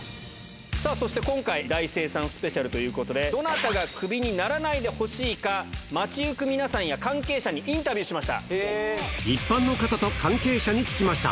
さあ、そして今回、大精算スペシャルということで、どなたがクビにならないでほしいか、街行く皆さんや関係者にイン一般の方と関係者に聞きました。